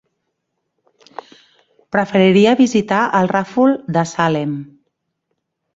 Preferiria visitar el Ràfol de Salem.